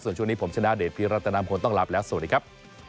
ส่วนช่วงนี้ผมชนะเดชพิรัตนามงคลต้องลาไปแล้วสวัสดีครับ